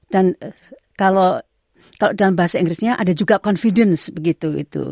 dan kalau dalam bahasa inggrisnya ada juga confidence begitu